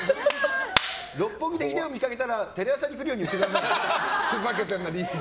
六本木でヒデを見かけたらテレ朝に来るように言ってくださいって。